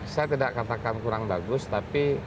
saya tidak katakan kurang bagus tapi